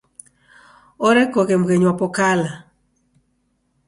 Orekoghe mghenyu wapo kala.